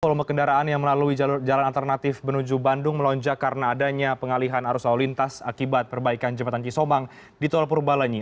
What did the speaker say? volume kendaraan yang melalui jalan alternatif menuju bandung melonjak karena adanya pengalihan arus lalu lintas akibat perbaikan jembatan kisombang di tol purbalenyi